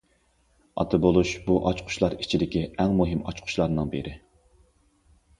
ئاتا بولۇش بۇ ئاچقۇچلار ئىچىدىكى ئەڭ مۇھىم ئاچقۇچلارنىڭ بىرى.